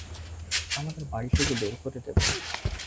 আমাদের বাড়ি থেকে বের করে দেবে।